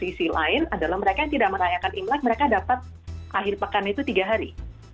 di sisi lain adalah mereka yang tidak merayakan imlek mereka dapat akhir pekan itu tiga hari